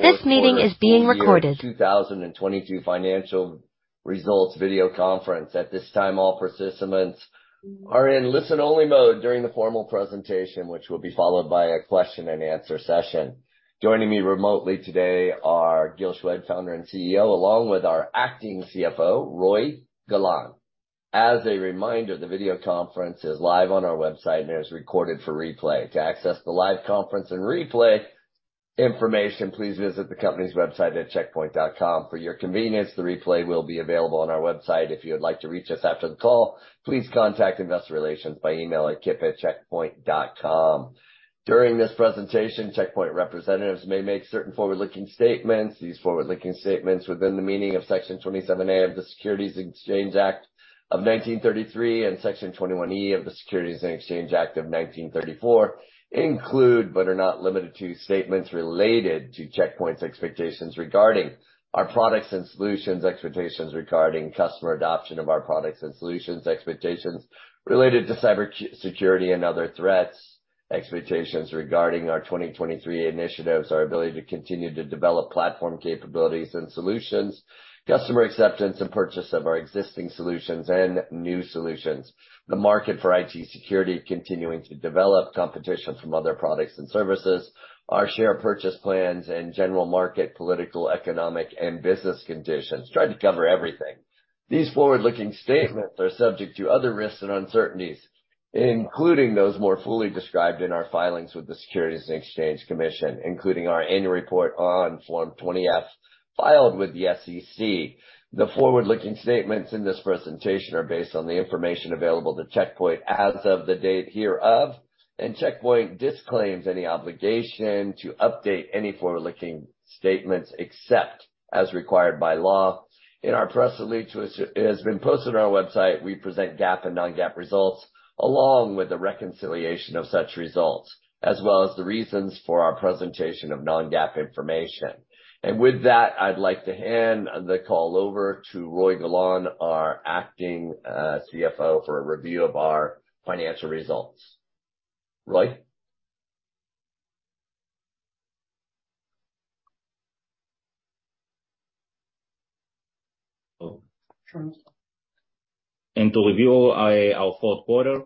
Fourth Quarter, Full Year 2022 Financial Results Video Conference. At this time, all participants are in listen only mode during the formal presentation, which will be followed by a question and answer session. Joining me remotely today are Gil Shwed, Founder and CEO, along with our Acting CFO, Roei Golan. As a reminder, the video conference is live on our website and is recorded for replay. To access the live conference and replay information, please visit the company's website at checkpoint.com. For your convenience, the replay will be available on our website. If you would like to reach us after the call, please contact investor relations by email at kip@checkpoint.com. During this presentation, Check Point representatives may make certain forward-looking statements. These forward-looking statements within the meaning of Section 27A of the Securities Exchange Act of 1933 and Section 21E of the Securities and Exchange Act of 1934 include, but are not limited to, statements related to Check Point's expectations regarding our products and solutions, expectations regarding customer adoption of our products and solutions, expectations related to cybersecurity and other threats, expectations regarding our 2023 initiatives, our ability to continue to develop platform capabilities and solutions, customer acceptance and purchase of our existing solutions and new solutions, the market for IT security continuing to develop competition from other products and services, our share purchase plans in general market, political, economic and business conditions. Tried to cover everything. These forward-looking statements are subject to other risks and uncertainties, including those more fully described in our filings with the Securities and Exchange Commission, including our annual report on Form 20-F filed with the SEC. The forward-looking statements in this presentation are based on the information available to Check Point as of the date hereof. Check Point disclaims any obligation to update any forward-looking statements except as required by law. In our press release which has been posted on our website, we present GAAP and non-GAAP results, along with the reconciliation of such results, as well as the reasons for our presentation of non-GAAP information. With that, I'd like to hand the call over to Roei Golan, our acting CFO, for a review of our financial results. Roei? To review our fourth quarter,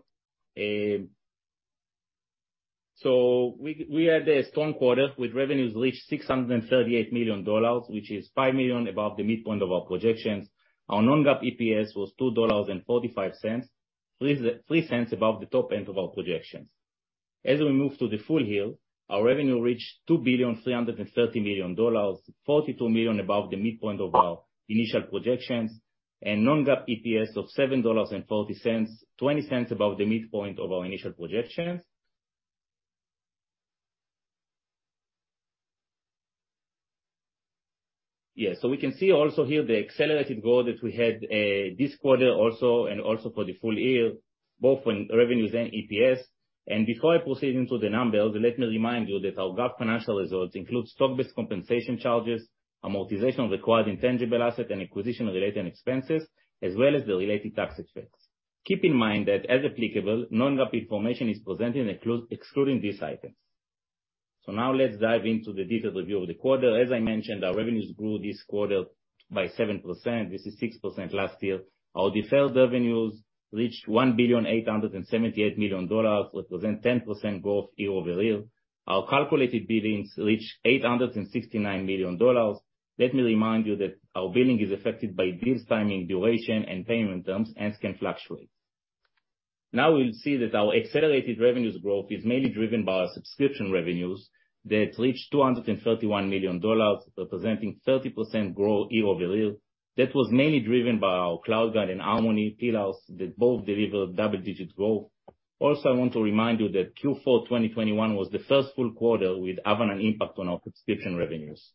we had a strong quarter with revenues reached $638 million, which is $5 million above the midpoint of our projections. Our non-GAAP EPS was $2.45, $0.03 above the top end of our projections. As we move to the full year, our revenue reached $2.33 billion, $42 million above the midpoint of our initial projections, and non-GAAP EPS of $7.40, $0.20 above the midpoint of our initial projections. We can see also here the accelerated growth that we had this quarter also, and also for the full year, both on revenues and EPS. Before I proceed into the numbers, let me remind you that our GAAP financial results include stock-based compensation charges, amortization of acquired intangible asset, and acquisition-related expenses, as well as the related tax effects. Keep in mind that as applicable, non-GAAP information is presented excluding these items. Now let's dive into the detailed review of the quarter. As I mentioned, our revenues grew this quarter by 7%. This is 6% last year. Our deferred revenues reached $1,878 million, represent 10% growth year-over-year. Our calculated billings reached $869 million. Let me remind you that our billing is affected by deals timing, duration, and payment terms and can fluctuate. We'll see that our accelerated revenues growth is mainly driven by our subscription revenues that reached $231 million, representing 30% growth year-over-year. That was mainly driven by our CloudGuard and Harmony pillars that both delivered double-digit growth. Also, I want to remind you that Q4 2021 was the first full quarter with Avanan impact on our subscription revenues.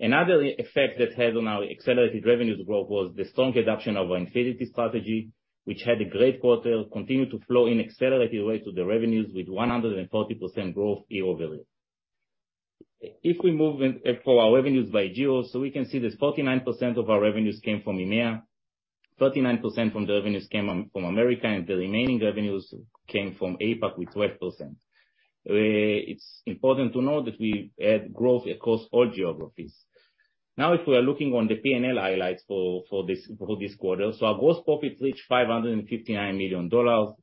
Another effect that had on our accelerated revenues growth was the strong adoption of our Infinity strategy, which had a great quarter, continued to flow in accelerated rates of the revenues with 140% growth year-over-year. If we move in for our revenues by geographies, we can see that 49% of our revenues came from EMEA, 39% from the revenues came from America, and the remaining revenues came from APAC with 12%. It's important to note that we had growth across all geographies. If we are looking on the P&L highlights for this quarter. Our gross profits reached $559 million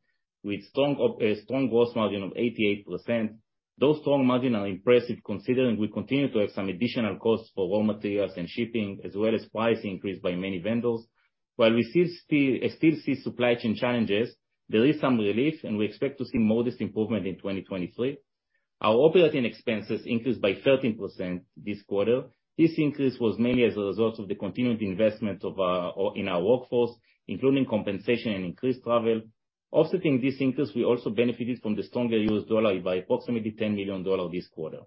with strong gross margin of 88%. Those strong margin are impressive considering we continue to have some additional costs for raw materials and shipping as well as price increase by many vendors. While we still see supply chain challenges, there is some relief and we expect to see modest improvement in 2023. Our operating expenses increased by 13% this quarter. This increase was mainly as a result of the continued investment of our in our workforce, including compensation and increased travel. Offsetting this increase, we also benefited from the stronger US dollar by approximately $10 million this quarter.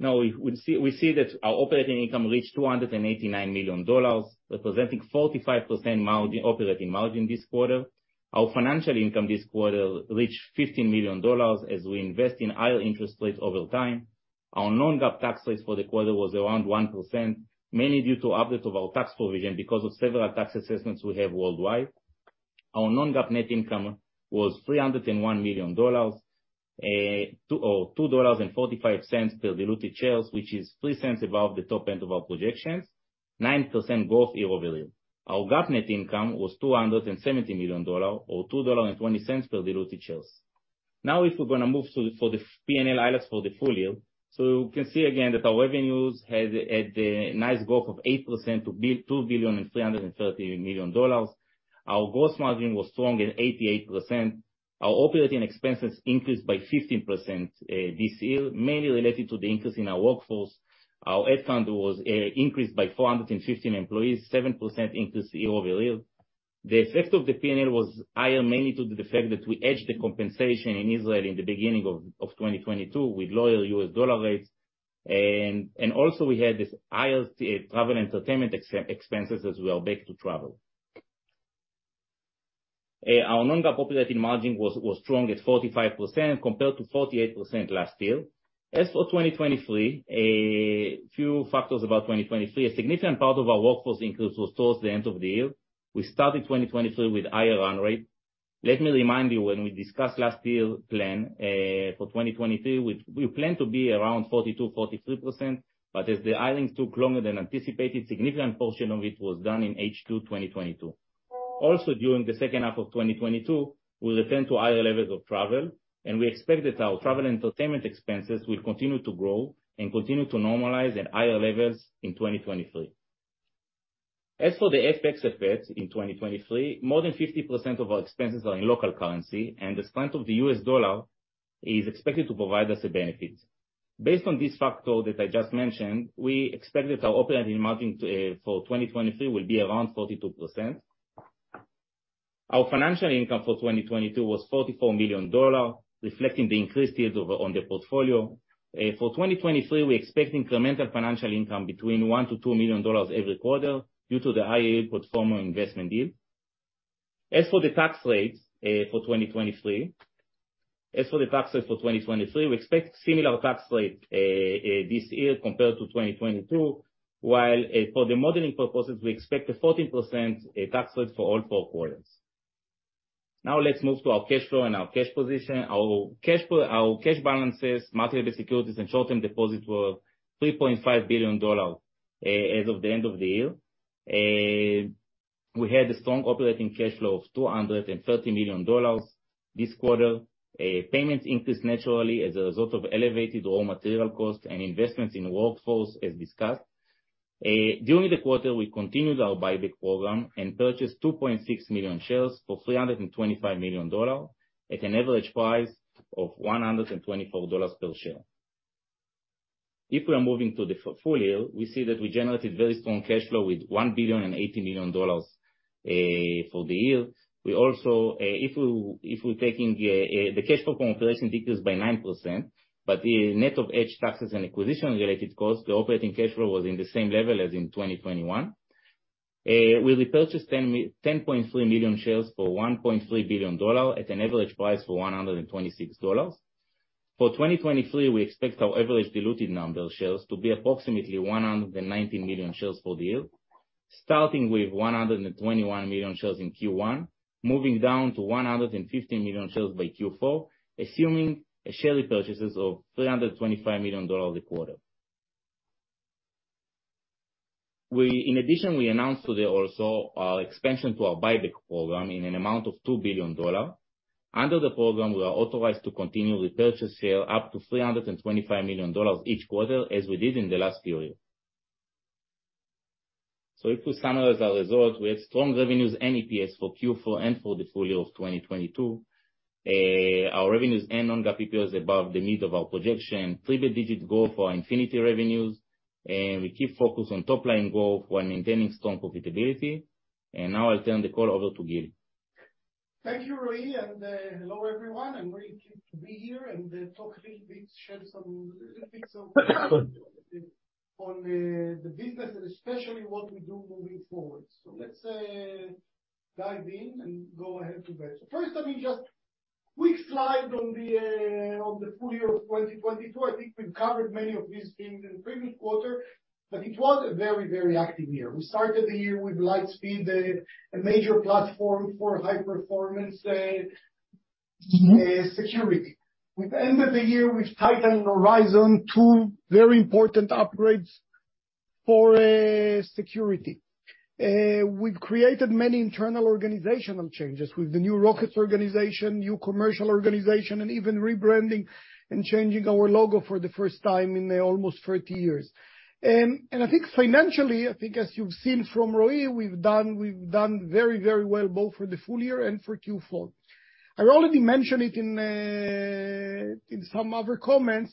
We see that our operating income reached $289 million, representing 45% operating margin this quarter. Our financial income this quarter reached $15 million as we invest in higher interest rates over time. Our non-GAAP tax rate for the quarter was around 1%, mainly due to updates of our tax provision because of several tax assessments we have worldwide. Our non-GAAP net income was $301 million, or $2.45 per diluted shares, which is $0.03 above the top end of our projections, 9% growth year-over-year. Our GAAP net income was $270 million, or $2.20 per diluted shares. If we're gonna move for the P&L highlights for the full year. we can see again that our revenues has had a nice growth of 8% to be $2.33 billion. Our gross margin was strong at 88%. Our operating expenses increased by 15% this year, mainly related to the increase in our workforce. Our headcount was increased by 415 employees, 7% increase year-over-year. The effect of the P&L was higher, mainly due to the fact that we hedged the compensation in Israel in the beginning of 2022 with lower U.S. dollar rates. Also we had this higher travel entertainment expenses as we are back to travel. Our non-GAAP operating margin was strong at 45% compared to 48% last year. As for 2023, a few factors about 2023, a significant part of our workforce increase was towards the end of the year. We started 2023 with higher run rate. Let me remind you, when we discussed last year plan for 2023, which we plan to be around 42%-43%, as the hirings took longer than anticipated, significant portion of it was done in H2 2022. Also, during the second half of 2022, we returned to higher levels of travel, we expect that our travel entertainment expenses will continue to grow and continue to normalize at higher levels in 2023. As for the FX effects in 2023, more than 50% of our expenses are in local currency, the strength of the U.S. dollar is expected to provide us a benefit. Based on this factor that I just mentioned, we expect that our operating margin for 2023 will be around 42%. Our financial income for 2022 was $44 million, reflecting the increased yield on the portfolio. For 2023, we expect incremental financial income between $1 million-$2 million every quarter due to the pro forma investment yield. As for the tax rates for 2023. As for the tax rates for 2023, we expect similar tax rate this year compared to 2022, while for the modeling purposes, we expect a 14% tax rate for all four quarters. Now let's move to our cash flow and our cash position. Our cash flow, our cash balances, marketable securities and short-term deposits were $3.5 billion as of the end of the year. We had a strong operating cash flow of $230 million this quarter. Payments increased naturally as a result of elevated raw material costs and investments in workforce as discussed. During the quarter, we continued our buyback program and purchased 2.6 million shares for $325 million at an average price of $124 per share. We are moving to the full year, we see that we generated very strong cash flow with $1.08 billion for the year. We also, if we take in the cash flow from operation decreased by 9%, but the net of hedge taxes and acquisition-related costs, the operating cash flow was in the same level as in 2021. We repurchased 10.3 million shares for $1.3 billion at an average price for $126. For 2023, we expect our average diluted number of shares to be approximately 190 million shares for the year, starting with 121 million shares in Q1, moving down to 150 million shares by Q4, assuming share repurchases of $325 million a quarter. We announced today also our expansion to our buyback program in an amount of $2 billion. Under the program, we are authorized to continue to repurchase share up to $325 million each quarter, as we did in the last few years. If we summarize our results, we have strong revenues and EPS for Q4 and for the full year of 2022. Our revenues and non-GAAP EPS above the mid of our projection, triple digit growth for Infinity revenues, we keep focused on top-line growth while maintaining strong profitability. Now I'll turn the call over to Gil. Thank you, Roei, hello, everyone. I'm very pleased to be here and talk a little bit, share some little bits on the business and especially what we do moving forward. Let's dive in and go ahead with that. First, let me quick slide on the full year of 2022. I think we've covered many of these things in the previous quarter, but it was a very, very active year. We started the year with Quantum Lightspeed, a major platform for high-performance security. We've ended the year with Titan and Horizon, two very important upgrades for security. We've created many internal organizational changes with the new Rockets organization, New Commercial Organization, and even rebranding and changing our logo for the first time in almost 30 years. I think financially, I think as you've seen from Roei Golan, we've done very, very well, both for the full year and for Q4. I already mentioned it in some other comments.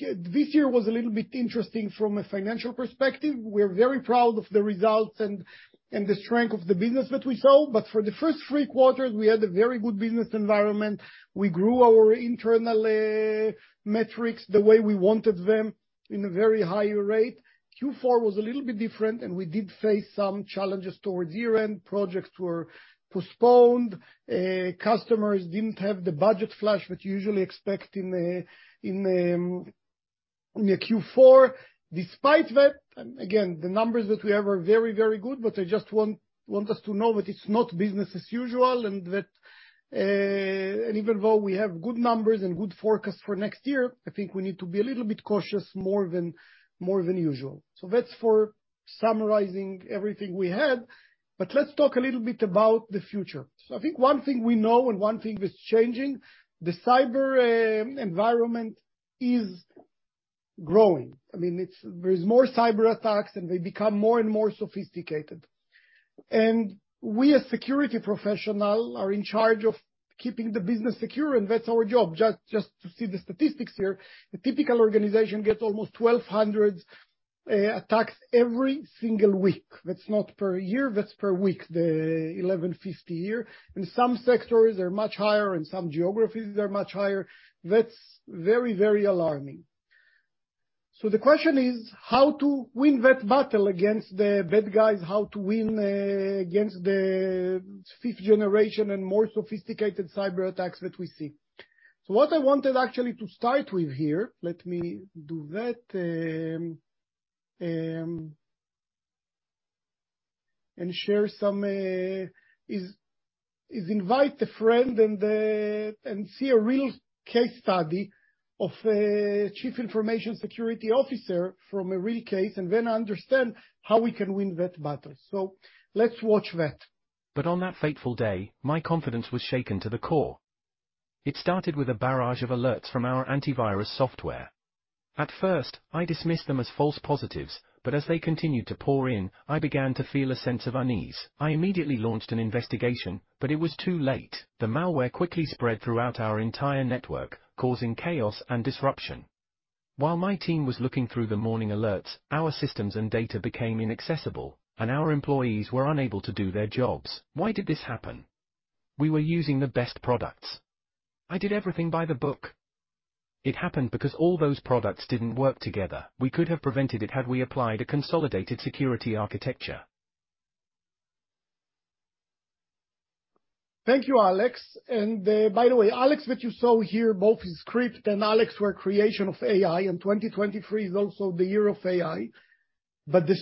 This year was a little bit interesting from a financial perspective. We're very proud of the results and the strength of the business that we sold. For the first three quarters, we had a very good business environment. We grew our internal metrics the way we wanted them in a very high rate. Q4 was a little bit different. We did face some challenges towards year-end. Projects were postponed. Customers didn't have the budget flush that you usually expect in the Q4. Despite that, again, the numbers that we have are very, very good, but I just want us to know that it's not business as usual and that even though we have good numbers and good forecast for next year, I think we need to be a little bit cautious more than usual. That's for summarizing everything we had. Let's talk a little bit about the future. I think one thing we know and one thing that's changing, the cyber environment is growing. I mean, there's more cyber attacks, and they become more and more sophisticated. We as security professional are in charge of keeping the business secure, and that's our job. Just to see the statistics here. The typical organization gets almost 1,200 attacks every single week. That's not per year, that's per week. The 1,150 a year. In some sectors, they're much higher. In some geographies, they're much higher. That's very, very alarming. The question is how to win that battle against the bad guys, how to win against the fifth-generation and more sophisticated cyberattacks that we see. What I wanted actually to start with here, let me do that and share some. Is invite a friend and see a real case study of a Chief Information Security Officer from a real case and then understand how we can win that battle. Let's watch that. On that fateful day, my confidence was shaken to the core. It started with a barrage of alerts from our antivirus software. At first, I dismissed them as false positives, but as they continued to pour in, I began to feel a sense of unease. I immediately launched an investigation, but it was too late. The malware quickly spread throughout our entire network, causing chaos and disruption. While my team was looking through the morning alerts, our systems and data became inaccessible, and our employees were unable to do their jobs. Why did this happen? We were using the best products. I did everything by the book. It happened because all those products didn't work together. We could have prevented it had we applied a consolidated security architecture. Thank you, Alex. By the way, Alex that you saw here, both his script and Alex were creation of AI, and 2023 is also the year of AI. Even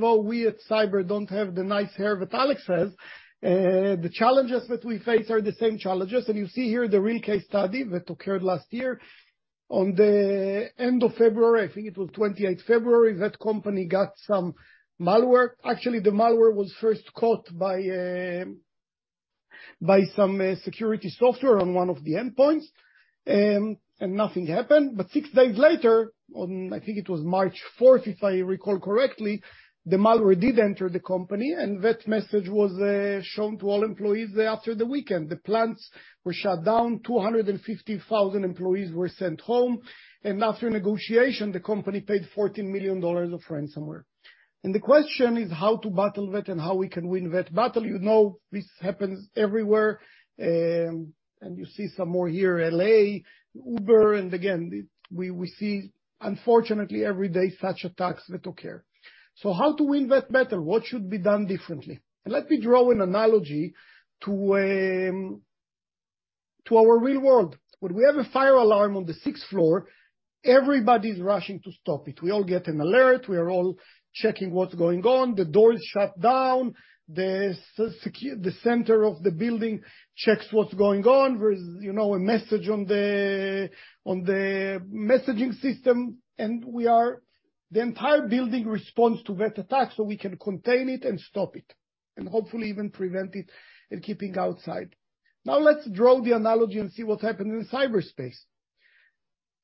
though we at cyber don't have the nice hair that Alex has, the challenges that we face are the same challenges. You see here the real case study that occurred last year. On the end of February, I think it was 28th February, that company got some malware. Actually, the malware was first caught by some security software on one of the endpoints, and nothing happened. Six days later, on I think it was March 4th, if I recall correctly, the malware did enter the company, and that message was shown to all employees after the weekend. The plants were shut down, 250,000 employees were sent home. After negotiation, the company paid $14 million of ransomware. The question is how to battle that and how we can win that battle. You know, this happens everywhere. You see some more here, LA, Uber. Again, we see unfortunately every day such attacks that occur. How to win that battle? What should be done differently? Let me draw an analogy to our real world. When we have a fire alarm on the sixth floor, everybody's rushing to stop it. We all get an alert. We are all checking what's going on. The doors shut down. The center of the building checks what's going on. There's, you know, a message on the messaging system, and the entire building responds to that attack, so we can contain it and stop it, and hopefully even prevent it and keeping outside. Now let's draw the analogy and see what's happened in cyberspace.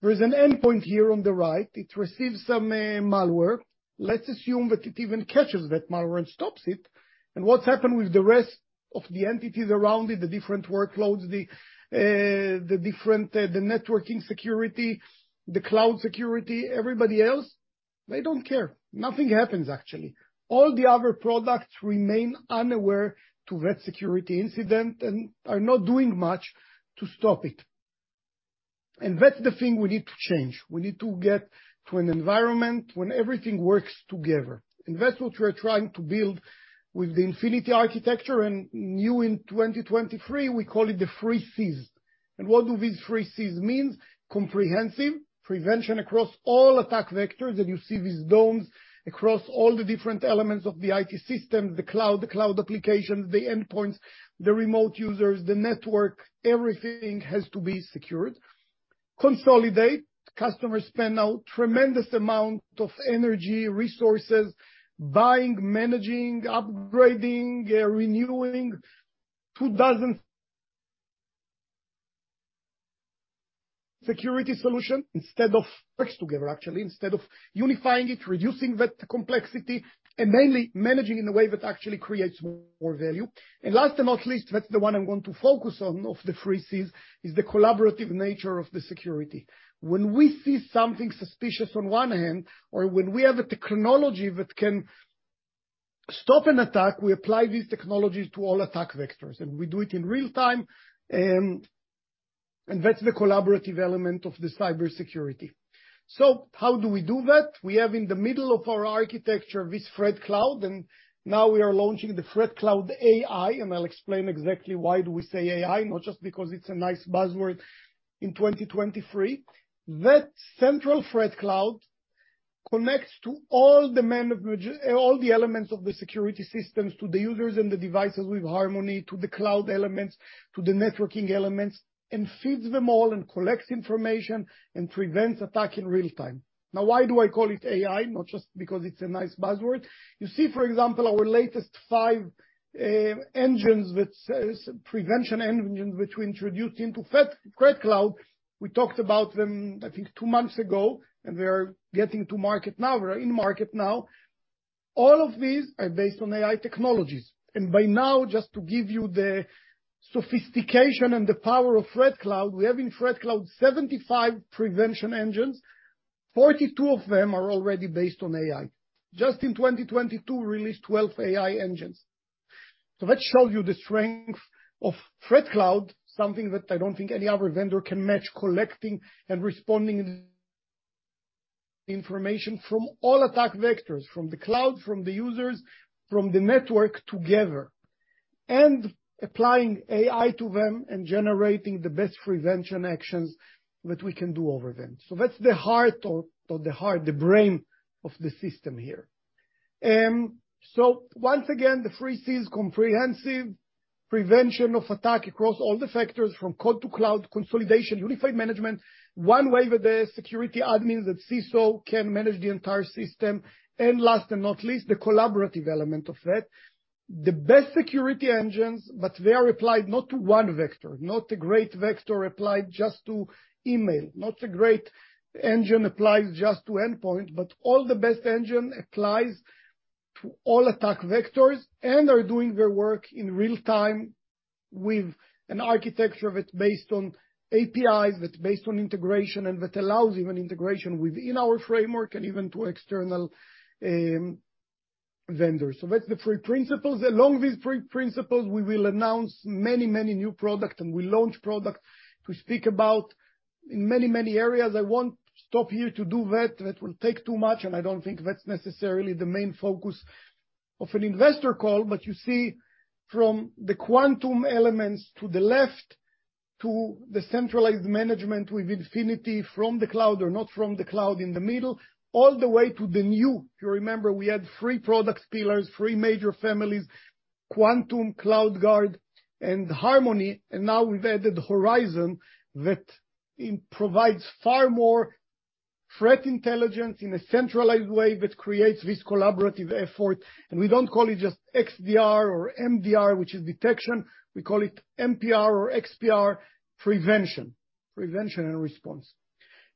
There's an endpoint here on the right. It receives some malware. Let's assume that it even catches that malware and stops it. What's happened with the rest of the entities around it, the different workloads, the different, the networking security, the cloud security, everybody else, they don't care. Nothing happens, actually. All the other products remain unaware to that security incident and are not doing much to stop it. That's the thing we need to change. We need to get to an environment when everything works together. That's what we're trying to build with the Infinity architecture. New in 2023, we call it the three C's. What do these three C's means? Comprehensive prevention across all attack vectors, and you see these domes across all the different elements of the IT system, the cloud, the cloud applications, the endpoints, the remote users, the network, everything has to be secured. Consolidate. Customers spend a tremendous amount of energy, resources buying, managing, upgrading, renewing two dozen security solution instead of works together actually, instead of unifying it, reducing that complexity, and mainly managing in a way that actually creates more value. Last but not least, that's the one I'm going to focus on of the three C's, is the collaborative nature of the security. When we see something suspicious on one hand or when we have a technology that can stop an attack, we apply this technology to all attack vectors, we do it in real time, and that's the collaborative element of the cybersecurity. How do we do that? We have in the middle of our architecture, this ThreatCloud, and now we are launching the ThreatCloud AI. I'll explain exactly why do we say AI, not just because it's a nice buzzword in 2023. That central ThreatCloud connects to all the elements of the security systems, to the users and the devices with Harmony, to the cloud elements, to the networking elements, and feeds them all and collects information and prevents attack in real time. Why do I call it AI? Not just because it's a nice buzzword. You see, for example, our latest five engines which prevention engines which we introduced into ThreatCloud. We talked about them, I think, two months ago, and they are getting to market now. We're in market now. All of these are based on AI technologies. By now, just to give you the sophistication and the power of ThreatCloud, we have in ThreatCloud 75 prevention engines, 42 of them are already based on AI. Just in 2022, released 12 AI engines. That shows you the strength of ThreatCloud, something that I don't think any other vendor can match, collecting and responding information from all attack vectors, from the cloud, from the users, from the network together, and applying AI to them and generating the best prevention actions that we can do over them. That's the heart of... Not the heart, the brain of the system here. Once again, the three Cs, comprehensive prevention of attack across all the vectors from code to cloud, consolidation, unified management, one way that the security admin, that CISO can manage the entire system, and last but not least, the collaborative element of that. The best security engines, but they are applied not to one vector, not a great vector applied just to email, not a great engine applied just to endpoint, but all the best engine applies to all attack vectors and are doing their work in real-time with an architecture that's based on APIs, that's based on integration, and that allows even integration within our framework and even to external vendors. That's the three principles. Along these three principles, we will announce many, many new product, and we launch product to speak about in many, many areas. I won't stop here to do that. That will take too much, and I don't think that's necessarily the main focus of an investor call. You see from the Quantum elements to the left, to the centralized management with Infinity from the cloud or not from the cloud in the middle, all the way to the new. If you remember, we had three product pillars, three major families, Quantum, CloudGuard, and Harmony. Now we've added Horizon that provides far more threat intelligence in a centralized way that creates this collaborative effort. We don't call it just XDR or MDR, which is detection. We call it MPR or XPR, prevention. Prevention and response.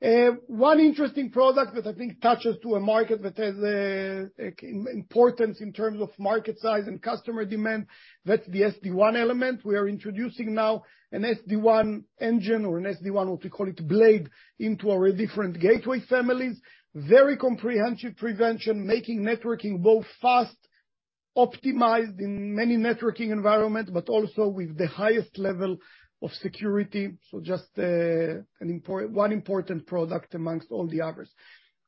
One interesting product that I think touches to a market that has importance in terms of market size and customer demand, that's the SD-WAN element. We are introducing now an SD-WAN engine or an SD-WAN, what we call it, blade, into our different gateway families. Very comprehensive prevention, making networking both fast, optimized in many networking environment, but also with the highest level of security. Just one important product amongst all the others.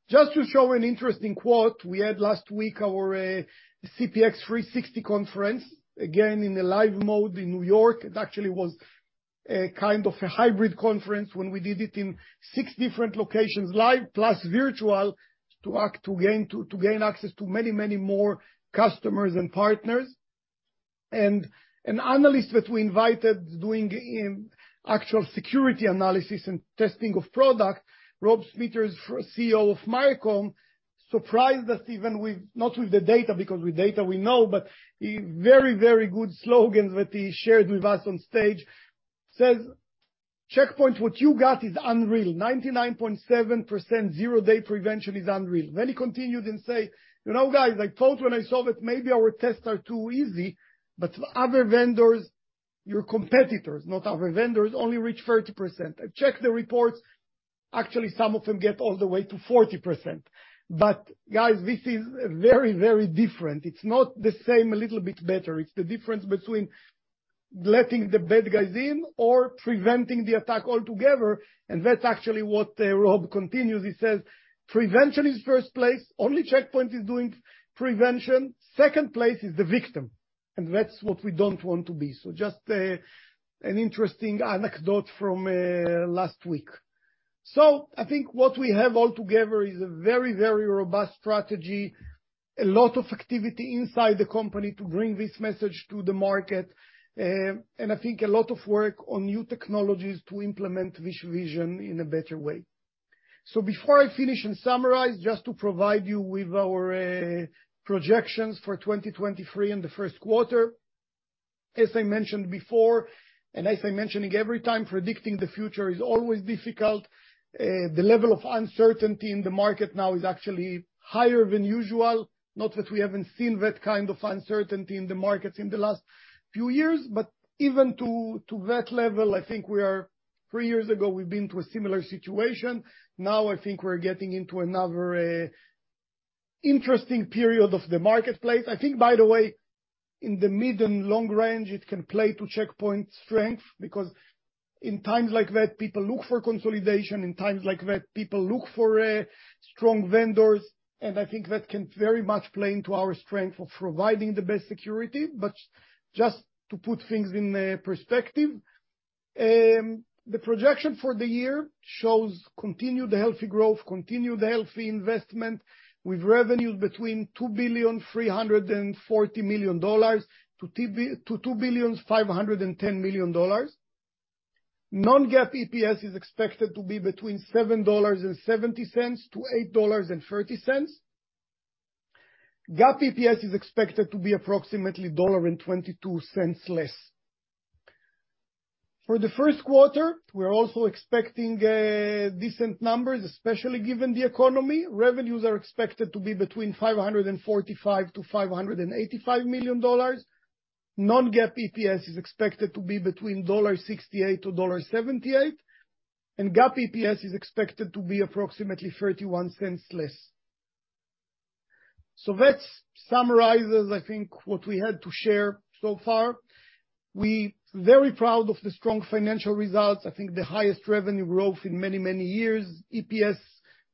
Just to show an interesting quote, we had last week our CPX 360 conference, again in a live mode in New York. It actually was a kind of a hybrid conference when we did it in six different locations, live plus virtual, to gain access to many, many more customers and partners. An analyst that we invited doing actual security analysis and testing of product, Rob Smithers, CEO of Miercom, surprised us even with, not with the data, because with data we know, but a very, very good slogans that he shared with us on stage, says, "Check Point, what you got is unreal. 99.7% zero-day prevention is unreal." He continued and say, "You know, guys, I thought when I saw that maybe our tests are too easy, but other vendors, your competitors, not other vendors, only reach 30%. I've checked the reports. Actually, some of them get all the way to 40%. Guys, this is very, very different. It's not the same, a little bit better. It's the difference between letting the bad guys in or preventing the attack altogether." That's actually what Rob continues. He says, "Prevention is first place. Only Check Point is doing prevention. Second place is the victim, and that's what we don't want to be." Just an interesting anecdote from last week. I think what we have all together is a very, very robust strategy, a lot of activity inside the company to bring this message to the market, and I think a lot of work on new technologies to implement this vision in a better way. Before I finish and summarize, just to provide you with our projections for 2023 in the first quarter. As I mentioned before, and as I'm mentioning every time, predicting the future is always difficult. The level of uncertainty in the market now is actually higher than usual. Not that we haven't seen that kind of uncertainty in the markets in the last few years, but even to that level, I think we are three years ago, we've been to a similar situation. Now I think we're getting into another interesting period of the marketplace. I think, by the way, in the mid and long range, it can play to Check Point's strength because in times like that, people look for consolidation. In times like that, people look for strong vendors, and I think that can very much play into our strength of providing the best security. Just to put things in perspective. The projection for the year shows continued healthy growth, continued healthy investment with revenues between $2.34 billion-$2.51 billion. Non-GAAP EPS is expected to be between $7.70-$8.30. GAAP EPS is expected to be approximately $1.22 less. For the first quarter, we're also expecting decent numbers, especially given the economy. Revenues are expected to be between $545 million-$585 million. Non-GAAP EPS is expected to be between $1.68-$1.78, and GAAP EPS is expected to be approximately $0.31 less. That summarizes, I think, what we had to share so far. We very proud of the strong financial results. I think the highest revenue growth in many, many years. EPS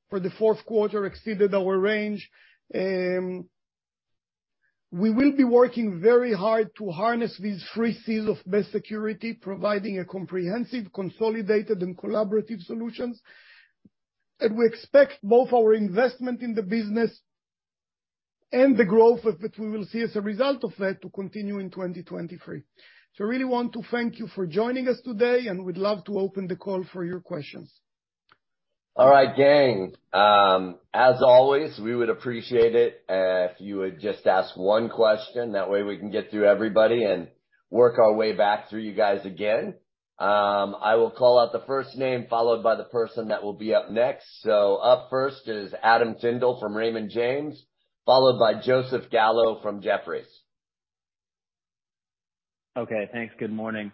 for the fourth quarter exceeded our range. We will be working very hard to harness these three C's of best security, providing a comprehensive, consolidated, and collaborative solutions. We expect both our investment in the business and the growth that we will see as a result of that to continue in 2023. I really want to thank you for joining us today, and we'd love to open the call for your questions. All right, gang. As always, we would appreciate it, if you would just ask one question. That way we can get through everybody and work our way back through you guys again. I will call out the first name, followed by the person that will be up next. Up first is Adam Tindle from Raymond James, followed by Joseph Gallo from Jefferies. Okay, thanks. Good morning.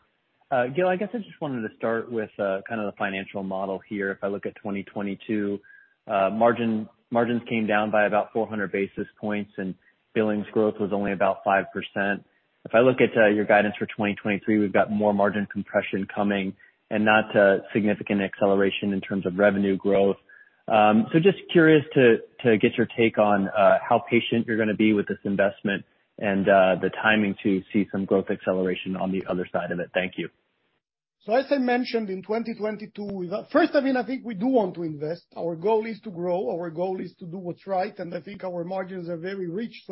Gil, I guess I just wanted to start with kind of the financial model here. If I look at 2022, margins came down by about 400 basis points and billings growth was only about 5%. If I look at your guidance for 2023, we've got more margin compression coming and not a significant acceleration in terms of revenue growth. Just curious to get your take on how patient you're gonna be with this investment and the timing to see some growth acceleration on the other side of it? Thank you. As I mentioned in 2022, with first, I mean, we do want to invest. Our goal is to grow, our goal is to do what's right, and I think our margins are very rich.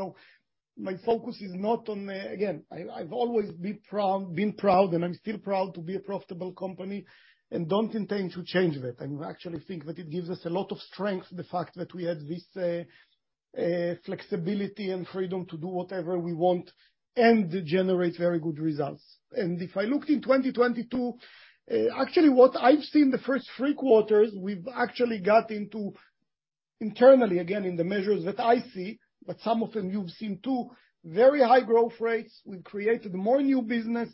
My focus is not on the. Again, I've always been proud, and I'm still proud to be a profitable company and don't intend to change that. I actually think that it gives us a lot of strength, the fact that we have this flexibility and freedom to do whatever we want and generate very good results. If I looked in 2022, actually what I've seen the first three quarters, we've actually got into internally, again, in the measures that I see, but some of them you've seen too, very high growth rates. We've created more new business.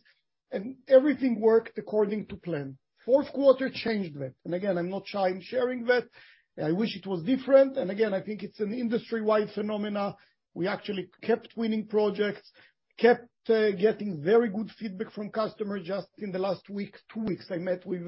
Everything worked according to plan. Fourth quarter changed that. Again, I'm not shy in sharing that. I wish it was different. Again, I think it's an industry-wide phenomena. We actually kept winning projects, kept getting very good feedback from customers. Just in the last week, two weeks, I met with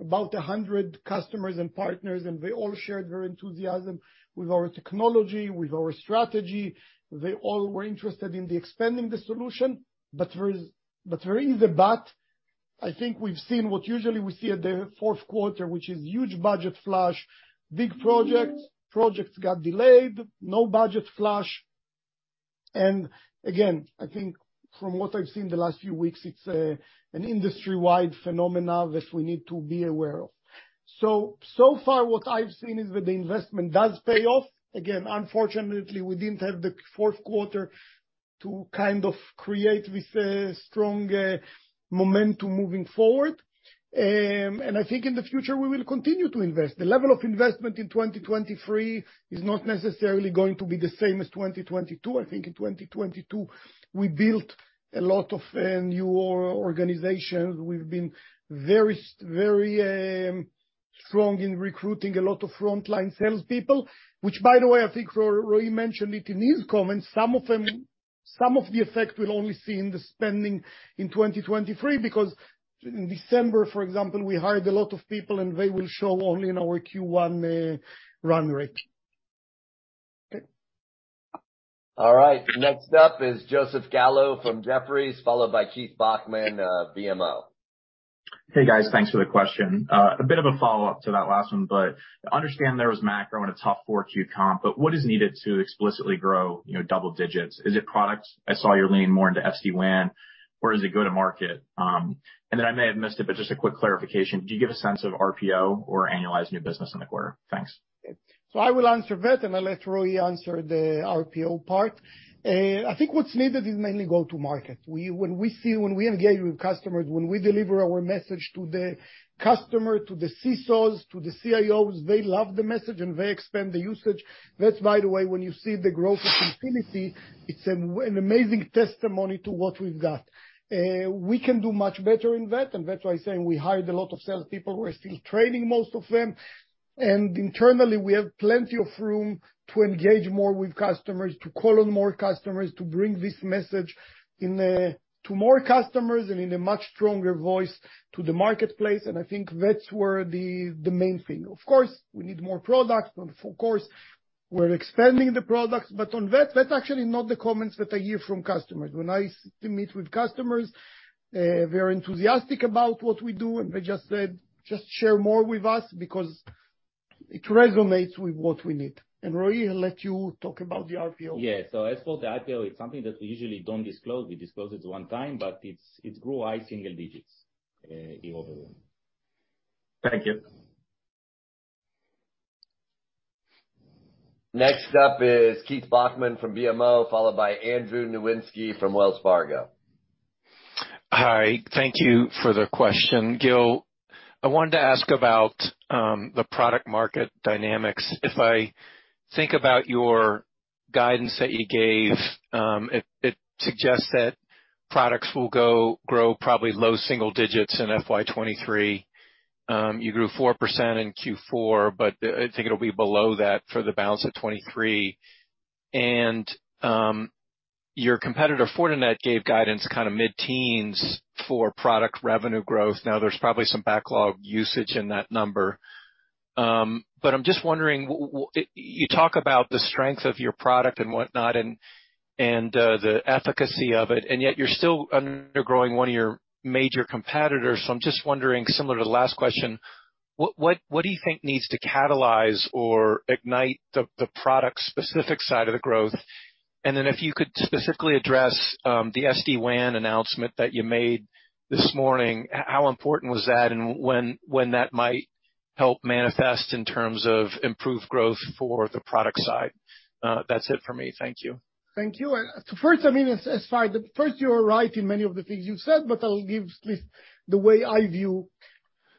about 100 customers and partners. They all shared their enthusiasm with our technology, with our strategy. They all were interested in the expanding the solution. There is a but, I think we've seen what usually we see at the fourth quarter, which is huge budget flush, big projects got delayed, no budget flush. Again, I think from what I've seen the last few weeks, it's an industry-wide phenomena that we need to be aware of. So far what I've seen is that the investment does pay off. Again, unfortunately, we didn't have the fourth quarter to kind of create this strong momentum moving forward. I think in the future, we will continue to invest. The level of investment in 2023 is not necessarily going to be the same as 2022. I think in 2022, we built a lot of new organizations. We've been very strong in recruiting a lot of frontline salespeople, which, by the way, I think Roei mentioned it in his comments. Some of them, some of the effects will only see in the spending in 2023, because in December, for example, we hired a lot of people, and they will show only in our Q1 run rate. All right. Next up is Joseph Gallo from Jefferies, followed by Keith Bachman, BMO. Hey, guys. Thanks for the question. A bit of a follow-up to that last one, I understand there was macro in a tough Q4 comp, but what is needed to explicitly grow, you know, double digits? Is it products? I saw you lean more into SD-WAN, or is it go-to-market? I may have missed it, but just a quick clarification. Do you give a sense of RPO or annualized new business in the quarter? Thanks. I will answer that, and I'll let Roei answer the RPO part. I think what's needed is mainly go-to-market. We, when we see, when we engage with customers, when we deliver our message to the customer, to the CISOs, to the CIOs, they love the message and they expand the usage. That's by the way, when you see the growth of Infinity, it's an amazing testimony to what we've got. We can do much better in that, and that's why I'm saying we hired a lot of sales people. We're still training most of them. Internally, we have plenty of room to engage more with customers, to call on more customers, to bring this message to more customers and in a much stronger voice to the marketplace. I think that's where the main thing. Of course, we need more products, of course. We're expanding the products, but on that's actually not the comments that I hear from customers. When I sit to meet with customers, they're enthusiastic about what we do, and they just said, "Just share more with us because it resonates with what we need." Roei, I'll let you talk about the RPO. Yeah. As for the RPO, it's something that we usually don't disclose. We disclose it one time, but it grew high single digits in order win. Thank you. Next up is Keith Bachman from BMO, followed by Andrew Nowinski from Wells Fargo. Hi. Thank you for the question. Gil, I wanted to ask about the product market dynamics. If I think about your guidance that you gave, it suggests that products will grow probably low single digits in FY 2023. You grew 4% in Q4, but I think it'll be below that for the balance of 2023. Your competitor, Fortinet, gave guidance kind of mid-teens for product revenue growth. Now there's probably some backlog usage in that number. I'm just wondering, You talk about the strength of your product and whatnot and the efficacy of it, and yet you're still undergrowing one of your major competitors. I'm just wondering, similar to the last question, what do you think needs to catalyze or ignite the product specific side of the growth? If you could specifically address the SD-WAN announcement that you made this morning, how important was that and when that might help manifest in terms of improved growth for the product side? That's it for me. Thank you. Thank you. First, I mean, you are right in many of the things you've said. I'll give at least the way I view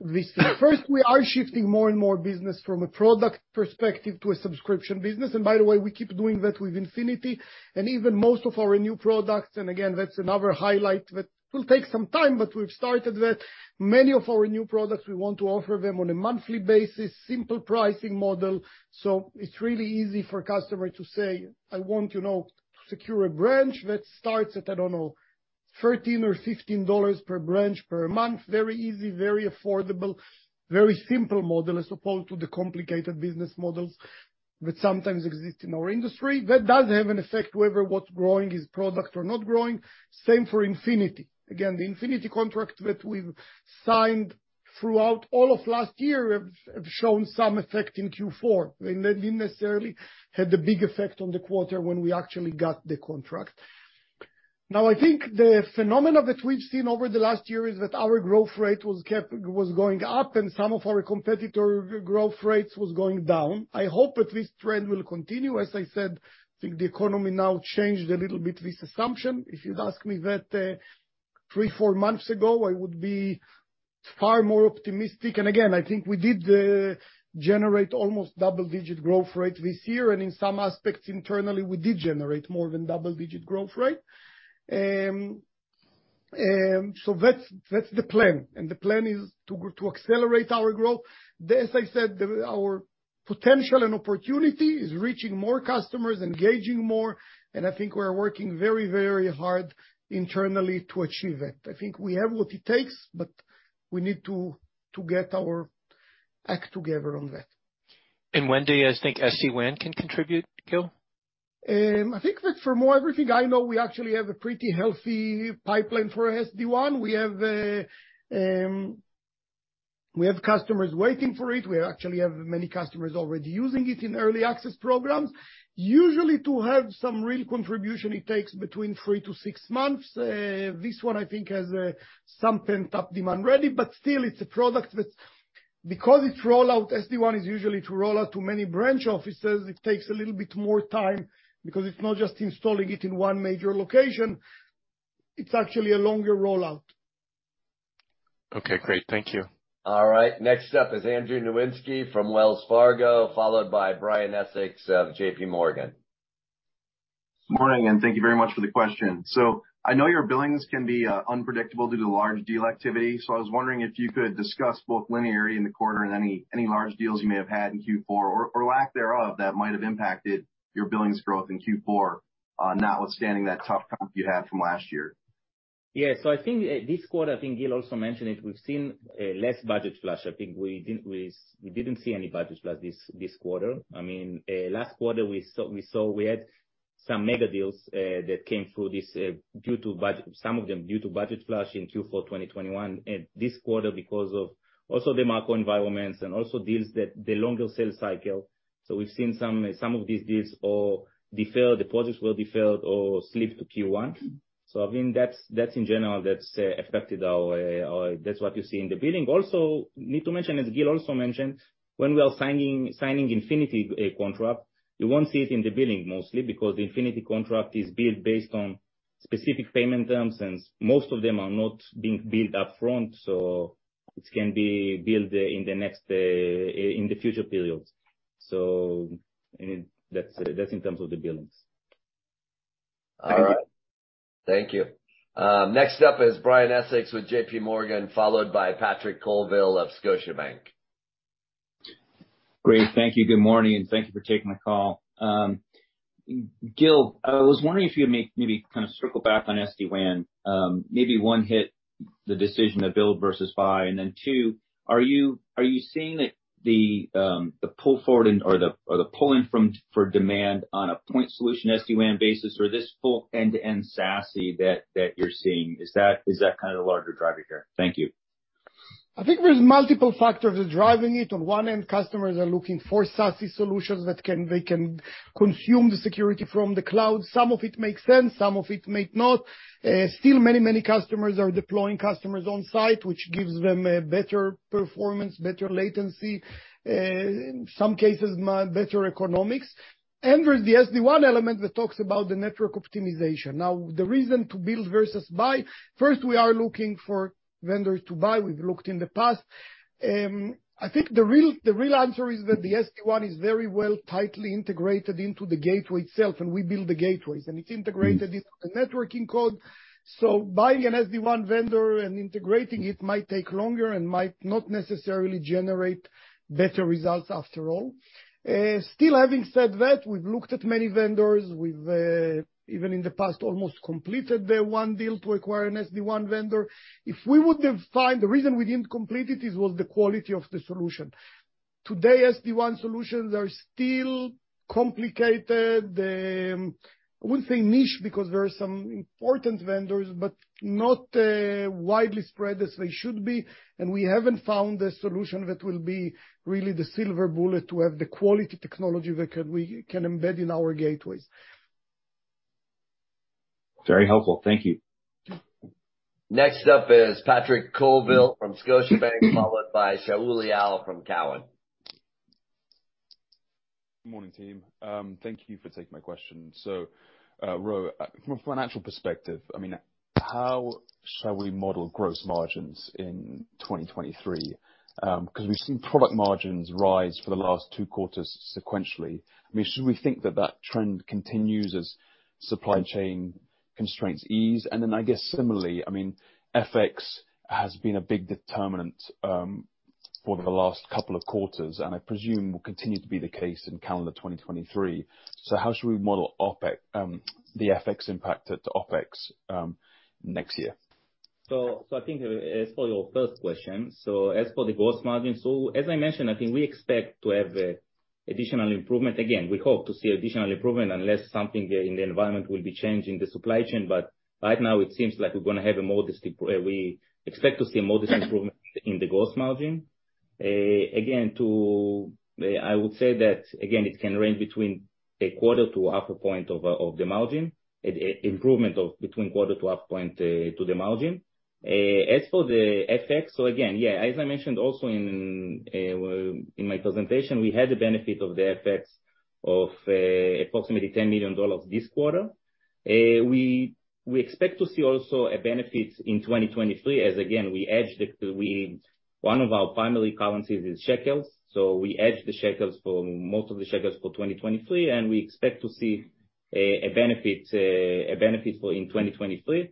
this. First, we are shifting more and more business from a product perspective to a subscription business. By the way, we keep doing that with Infinity and even most of our new products. Again, that's another highlight that will take some time. We've started that. Many of our new products, we want to offer them on a monthly basis, simple pricing model. It's really easy for a customer to say, "I want, you know, to secure a branch that starts at, I don't know, $13 or $15 per branch per month." Very easy, very affordable, very simple model as opposed to the complicated business models that sometimes exist in our industry. That does have an effect, whether what's growing is product or not growing. Same for Infinity. Again, the Infinity contract that we've signed throughout all of last year have shown some effect in Q4. They didn't necessarily had a big effect on the quarter when we actually got the contract. Now, I think the phenomenon that we've seen over the last year is that our growth rate was going up and some of our competitor growth rates was going down. I hope that this trend will continue. As I said, I think the economy now changed a little bit this assumption. If you'd asked me that, three, four months ago, I would be far more optimistic. Again, I think we did generate almost double-digit growth rate this year, and in some aspects internally, we did generate more than double-digit growth rate. That's the plan. The plan is to accelerate our growth. As I said, our potential and opportunity is reaching more customers, engaging more, and I think we're working very, very hard internally to achieve that. I think we have what it takes, but we need to get our act together on that. When do you guys think SD-WAN can contribute, Gil? I think that for more everything I know, we actually have a pretty healthy pipeline for SD-WAN. We have customers waiting for it. We actually have many customers already using it in early access programs. Usually, to have some real contribution, it takes between 3-6 months. This one I think has some pent-up demand ready, but still it's a product that because it's rollout, SD-WAN is usually to roll out to many branch offices, it takes a little bit more time because it's not just installing it in one major location. It's actually a longer rollout. Okay, great. Thank you. All right. Next up is Andrew Nowinski from Wells Fargo, followed by Brian Essex of JPMorgan. Morning, and thank you very much for the question. I know your billings can be unpredictable due to large deal activity. I was wondering if you could discuss both linearity in the quarter and any large deals you may have had in Q4, or lack thereof, that might have impacted your billings growth in Q4, notwithstanding that tough comp you had from last year? I think, this quarter, I think Gil also mentioned it, we've seen less budget flush. I think we didn't see any budget flush this quarter. Last quarter we saw we had some mega deals that came through this due to budget, some of them due to budget flush in Q4 2021. This quarter because of also the macro environments and also deals that the longer sales cycle. We've seen some of these deals all defer, deposits were deferred or slipped to Q1. That's in general that's affected our. That's what you see in the billing. Need to mention, as Gil also mentioned, when we are signing Infinity contract, you won't see it in the billing mostly because the Infinity contract is billed based on specific payment terms, and most of them are not being billed upfront, so it can be billed in the next in the future periods. I mean, that's in terms of the billings. All right. Thank you. Next up is Brian Essex with JPMorgan, followed by Patrick Colville of Scotiabank. Great. Thank you. Good morning, and thank you for taking the call. Gil, I was wondering if you may maybe kind of circle back on SD-WAN. maybe one hit the decision to build versus buy, and then two, are you seeing that the pull forward or the pulling from, for demand on a point solution SD-WAN basis or this full end-to-end SASE that you're seeing? Is that kind of the larger driver here? Thank you. I think there's multiple factors that are driving it. On one end, customers are looking for SASE solutions that can consume the security from the cloud. Some of it makes sense, some of it may not. still many customers are deploying customers on site, which gives them a better performance, better latency, in some cases, better economics. There's the SD-WAN element that talks about the network optimization. The reason to build versus buy, first, we are looking for vendors to buy. We've looked in the past. I think the real answer is that the SD-WAN is very well tightly integrated into the gateway itself, and we build the gateways. It's integrated into the networking code. Buying an SD-WAN vendor and integrating it might take longer and might not necessarily generate better results after all. Still having said that, we've looked at many vendors. We've even in the past, almost completed the one deal to acquire an SD-WAN vendor. The reason we didn't complete it is, was the quality of the solution. Today, SD-WAN solutions are still complicated. I wouldn't say niche because there are some important vendors, but not widely spread as they should be, and we haven't found a solution that will be really the silver bullet to have the quality technology that we can embed in our gateways. Very helpful. Thank you. Next up is Patrick Colville from Scotiabank, followed by Shaul Eyal from Cowen. Good morning, team. Thank you for taking my question. Roei, from a financial perspective, I mean, how shall we model gross margins in 2023? 'Cause we've seen product margins rise for the last two quarters sequentially. I mean, should we think that that trend continues as supply chain constraints ease? Then I guess similarly, I mean, FX has been a big determinant for the last couple of quarters, and I presume will continue to be the case in calendar 2023. How should we model OpEx, the FX impact to OpEx next year? I think, as for your first question, as for the gross margin, as I mentioned, I think we expect to have a additional improvement. Again, we hope to see additional improvement unless something in the environment will be changing the supply chain. Right now it seems like we're gonna have a modest we expect to see a modest improvement in the gross margin. Again, I would say that, again, it can range between a quarter to a half a point of the margin, improvement of between quarter to half point to the margin. As for the FX, as I mentioned also in my presentation, we had the benefit of the FX of approximately $10 million this quarter. We expect to see also a benefit in 2023 as again, One of our primary currencies is shekels, so we hedge the shekels for most of the shekels for 2023, and we expect to see a benefit for in 2023.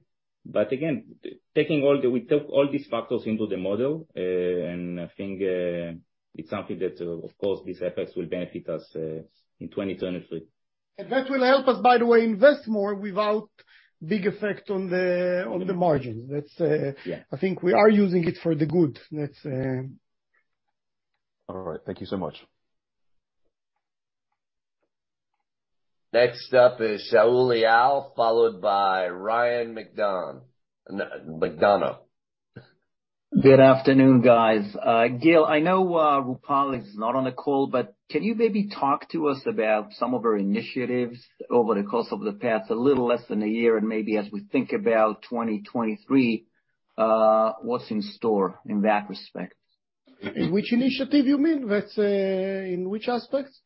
Again, taking all the... We took all these factors into the model, and I think it's something that, of course, this FX will benefit us in 2023. That will help us, by the way, invest more without big effect on the margins. That's. Yeah. I think we are using it for the good. That's... All right. Thank you so much. Next up is Shaul Eyal, followed by Raymond McDonough. Good afternoon, guys. Gil, I know Rupal is not on the call, but can you maybe talk to us about some of her initiatives over the course of the past, a little less than a year, and maybe as we think about 2023, what's in store in that respect? Which initiative you mean? That's, in which aspects?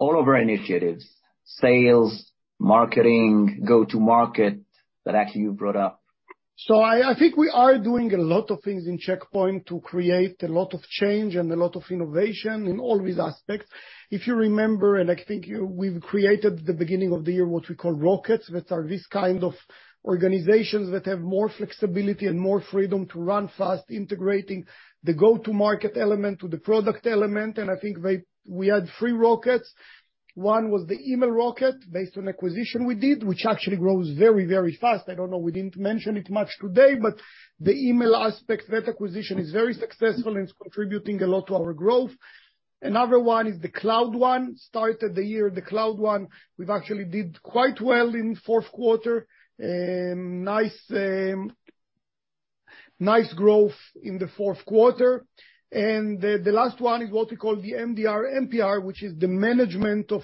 All of her initiatives. Sales, marketing, go-to market, that actually you brought up. I think we are doing a lot of things in Check Point to create a lot of change and a lot of innovation in all these aspects. If you remember, and I think you, we've created the beginning of the year what we call Rockets, that are this kind of organizations that have more flexibility and more freedom to run fast, integrating the go-to market element to the product element. I think we had three Rockets. One was the email Rocket based on acquisition we did, which actually grows very, very fast. I don't know, we didn't mention it much today, but the email aspect, that acquisition is very successful and it's contributing a lot to our growth. Another one is the cloud one. Started the year, the cloud one, we've actually did quite well in fourth quarter. Nice, nice growth in the fourth quarter. The last one is what we call the MDR MPR, which is the management of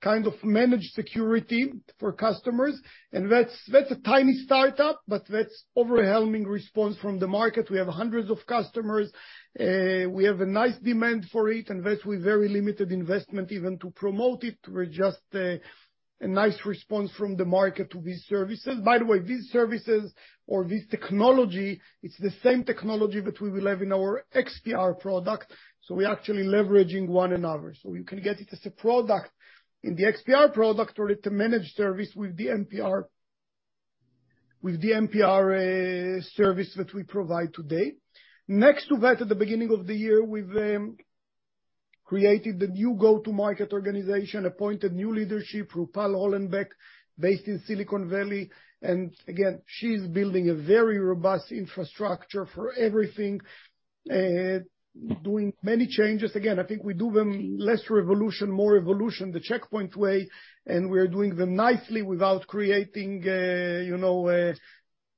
kind of managed security for customers. That's a tiny startup, but that's overwhelming response from the market. We have hundreds of customers. We have a nice demand for it, and that's with very limited investment even to promote it. We're just a nice response from the market to these services. By the way, these services or this technology, it's the same technology that we will have in our XPR product, so we're actually leveraging one another. So you can get it as a product in the XPR product or the managed service with the MPR product. With the MPR service that we provide today. Next to that, at the beginning of the year, we've created the new go-to-market organization, appointed new leadership, Rupal Hollenbeck, based in Silicon Valley. Again, she's building a very robust infrastructure for everything and doing many changes. I think we do them less revolution, more evolution, the Check Point way, and we are doing them nicely without creating, you know,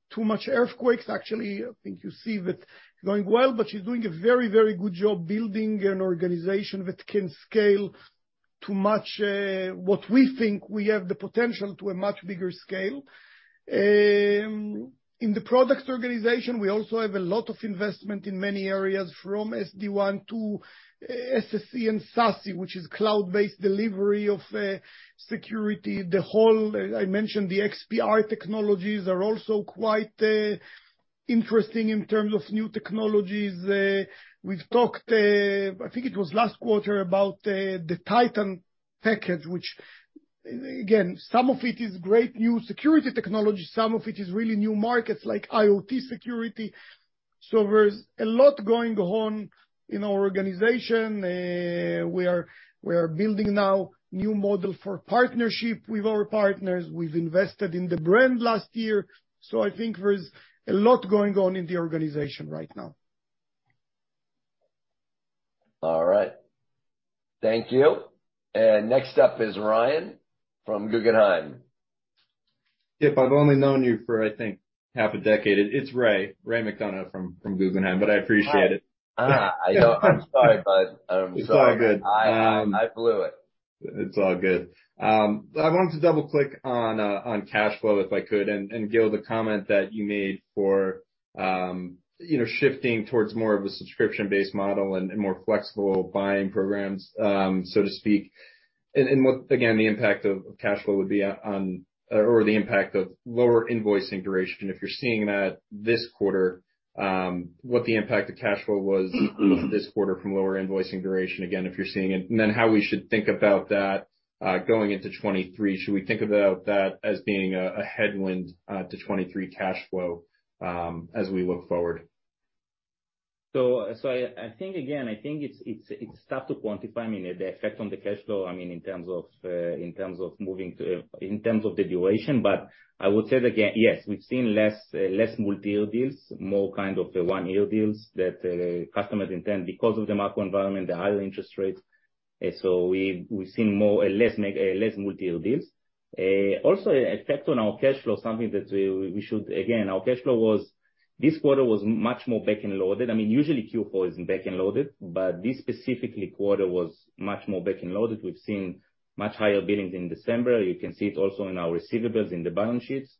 too much earthquakes. Actually, I think you see that it's going well, but she's doing a very, very good job building an organization that can scale to much, what we think we have the potential to a much bigger scale. In the products organization, we also have a lot of investment in many areas, from SD-WAN to SSE and SASE, which is cloud-based delivery of security. The whole, I mentioned the XPR technologies are also quite interesting in terms of new technologies. We've talked, I think it was last quarter, about the Titan package, which, again, some of it is great new security technology, some of it is really new markets like IoT security. There's a lot going on in our organization. We are building now new model for partnership with our partners. We've invested in the brand last year. I think there is a lot going on in the organization right now. All right. Thank you. Next up is Raymond McDonough from Guggenheim. Kip, I've only known you for, I think, half a decade. It's Ray McDonough from Guggenheim. I appreciate it. I know. I'm sorry, bud. I'm sorry. It's all good. I blew it. It's all good. I wanted to double-click on cash flow, if I could, and Gil, the comment that you made for, you know, shifting towards more of a subscription-based model and more flexible buying programs, so to speak. What, again, the impact of cash flow would be on, or the impact of lower invoicing duration, if you're seeing that this quarter, what the impact of cash flow was this quarter from lower invoicing duration, again, if you're seeing it, and then how we should think about that going into 2023? Should we think about that as being a headwind to 2023 cash flow as we look forward? I think, again, I think it's tough to quantify, I mean, the effect on the cash flow, I mean, in terms of moving to, in terms of the duration. I would say that, yeah, yes, we've seen less multi-year deals, more kind of the one-year deals that customers intend because of the macro environment, the higher interest rates. We've seen more, less multi-year deals. Effect on our cash flow, something that we should, again, our cash flow was... This quarter was much more back-ended loaded. I mean, usually Q4 isn't back-ended loaded, but this specifically quarter was much more back-ended loaded. We've seen much higher billings in December. You can see it also in our receivables in the balance sheets.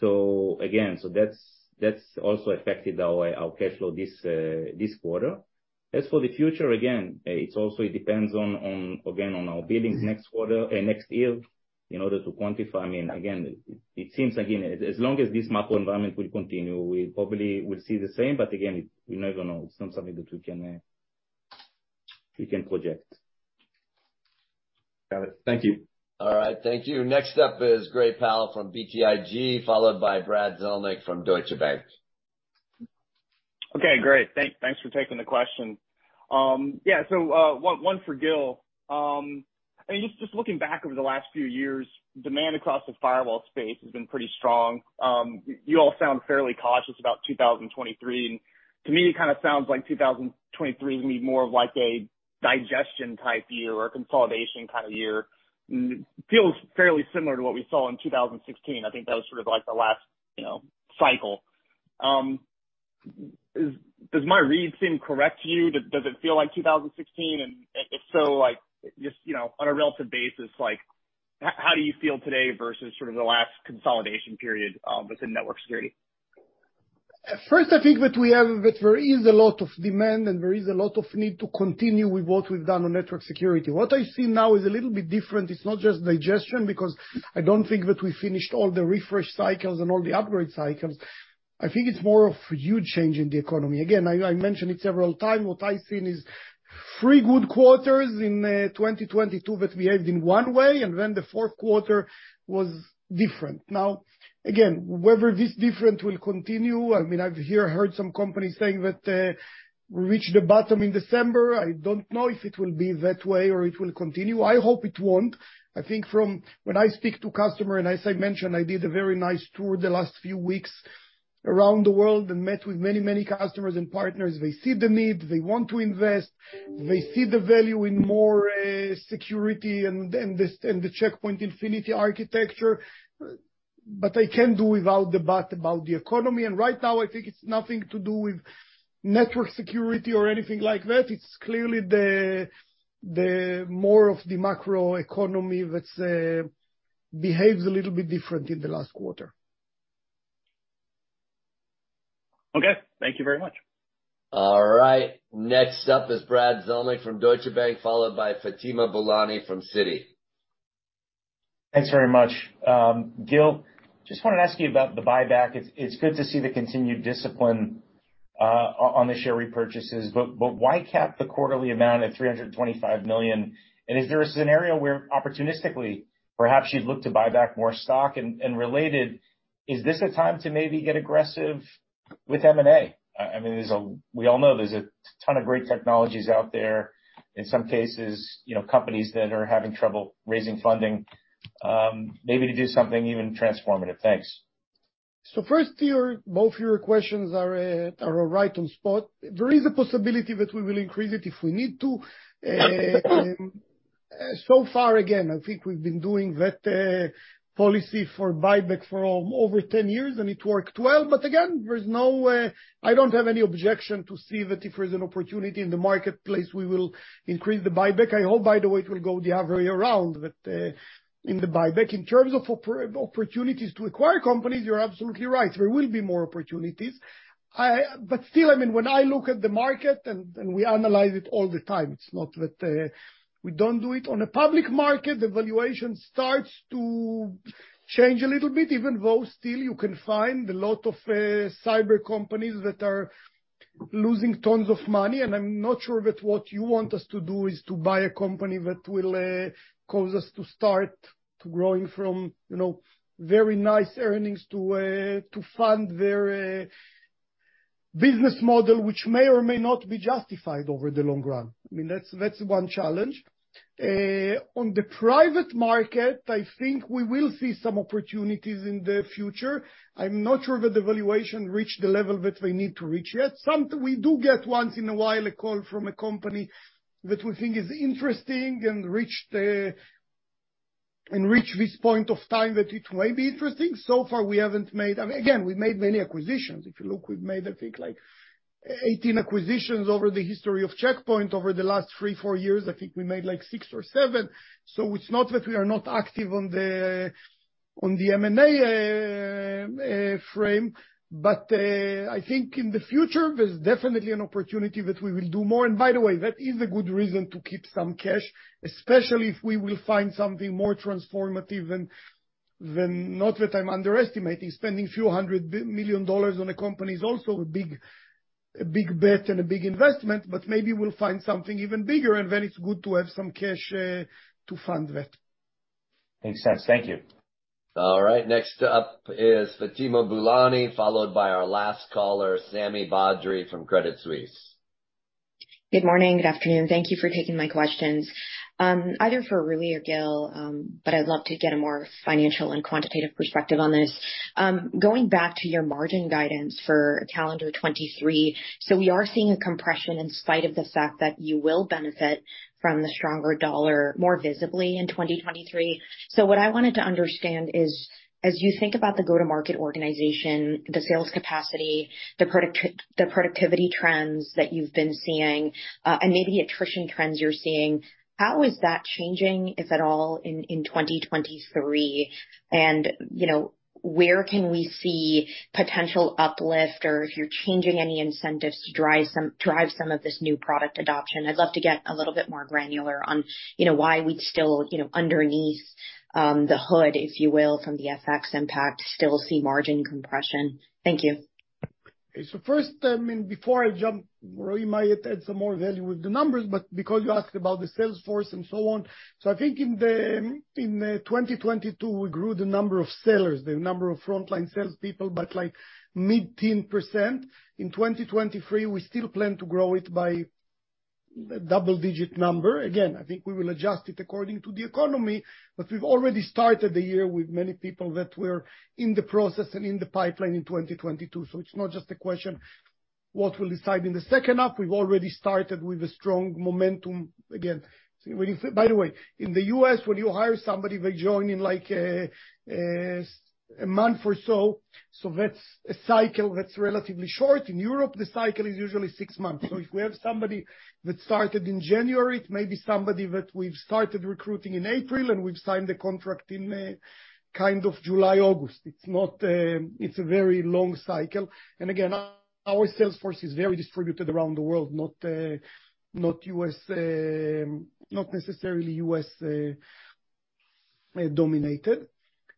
Again, that's also affected our cash flow this quarter. As for the future, again, it's also it depends on our billings next quarter, next year in order to quantify. I mean, again, it seems as long as this macro environment will continue, we probably will see the same. Again, we never know. It's not something that we can project. Got it. Thank you. All right. Thank you. Next up is Gray Powell from BTIG, followed by Brad Zelnick from Deutsche Bank. Okay. Great. Thanks for taking the question. Yeah, so, one for Gil. I mean, just looking back over the last few years, demand across the firewall space has been pretty strong. You all sound fairly cautious about 2023. To me, it kinda sounds like 2023 is gonna be more of like a digestion type year or consolidation kind of year. Feels fairly similar to what we saw in 2016. I think that was sort of like the last, you know, cycle. Does my read seem correct to you? Does it feel like 2016? If so, like just, you know, on a relative basis, like how do you feel today versus sort of the last consolidation period within network security? First, I think that we have, that there is a lot of demand and there is a lot of need to continue with what we've done on network security. What I see now is a little bit different. It's not just digestion because I don't think that we finished all the refresh cycles and all the upgrade cycles. I think it's more of a huge change in the economy. Again, I mentioned it several times. What I've seen is three good quarters in 2022 that behaved in one way, and then the fourth quarter was different. Again, whether this different will continue, I mean, I've heard some companies saying that we reached the bottom in December. I don't know if it will be that way or it will continue. I hope it won't. I think from when I speak to customer, and as I mentioned, I did a very nice tour the last few weeks around the world and met with many, many customers and partners. They see the need, they want to invest. They see the value in more security and the Check Point Infinity architecture. I can't do without the but about the economy. Right now, I think it's nothing to do with network security or anything like that. It's clearly the more of the macroeconomy that behaves a little bit different in the last quarter. Okay. Thank you very much. All right. Next up is Brad Zelnick from Deutsche Bank, followed by Fatima Boolani from Citi. Thanks very much. Gil, just wanted to ask you about the buyback. It's good to see the continued discipline. On the share repurchases, but why cap the quarterly amount at $325 million? Is there a scenario where opportunistically perhaps you'd look to buy back more stock? Related, is this a time to maybe get aggressive with M&A? I mean, We all know there's a ton of great technologies out there, in some cases, you know, companies that are having trouble raising funding, maybe to do something even transformative. Thanks. First, both of your questions are right on spot. There is a possibility that we will increase it if we need to. Far again, I think we've been doing that policy for buyback for over 10 years, and it worked well. Again, there's no way, I don't have any objection to see that if there's an opportunity in the marketplace, we will increase the buyback. I hope, by the way, it will go the other way around that in the buyback. In terms of opportunities to acquire companies, you're absolutely right, there will be more opportunities. Still, I mean, when I look at the market, and we analyze it all the time, it's not that we don't do it. On a public market, the valuation starts to change a little bit, even though still you can find a lot of cyber companies that are losing tons of money. I'm not sure that what you want us to do is to buy a company that will cause us to start growing from, you know, very nice earnings to fund their business model, which may or may not be justified over the long run. I mean, that's one challenge. On the private market, I think we will see some opportunities in the future. I'm not sure that the valuation reached the level that we need to reach yet. We do get once in a while a call from a company that we think is interesting and reached this point of time that it may be interesting. We've made many acquisitions. If you look, we've made, I think, like 18 acquisitions over the history of Check Point. Over the last three, four years, I think we made like six or seven. It's not that we are not active on the M&A frame, I think in the future, there's definitely an opportunity that we will do more. By the way, that is a good reason to keep some cash, especially if we will find something more transformative. Not that I'm underestimating, spending $few hundred million on a company is also a big bet and a big investment, maybe we'll find something even bigger, it's good to have some cash to fund that. Makes sense. Thank you. All right, next up is Fatima Boolani, followed by our last caller, Sami Badri from Credit Suisse. Good morning. Good afternoon. Thank you for taking my questions. Either for Rupal Hollenbeck or Gil Shwed, but I'd love to get a more financial and quantitative perspective on this. Going back to your margin guidance for calendar 2023, we are seeing a compression in spite of the fact that you will benefit from the stronger dollar more visibly in 2023. What I wanted to understand is, as you think about the go-to-market organization, the sales capacity, the productivity trends that you've been seeing, and maybe attrition trends you're seeing, how is that changing, if at all, in 2023? Where can we see potential uplift or if you're changing any incentives to drive some of this new product adoption? I'd love to get a little bit more granular on, you know, why we'd still, you know, underneath the hood, if you will, from the FX impact, still see margin compression. Thank you. First, I mean, before I jump, Ruly might add some more value with the numbers because you asked about the sales force and so on. I think in 2022, we grew the number of sellers, the number of frontline salespeople, by like mid-teen percent. In 2023, we still plan to grow it by a double-digit number. Again, I think we will adjust it according to the economy, we've already started the year with many people that were in the process and in the pipeline in 2022. It's not just a question what we'll decide in the second half. We've already started with a strong momentum. Again, when you By the way, in the U.S., when you hire somebody, they join in like a month or so. That's a cycle that's relatively short. In Europe, the cycle is usually six months. If we have somebody that started in January, it may be somebody that we've started recruiting in April, and we've signed the contract in, kind of July, August. It's not, it's a very long cycle. Again, our sales force is very distributed around the world, not U.S., not necessarily U.S., dominated.